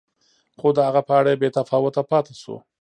خو د هغه په اړه بې تفاوت پاتې شو.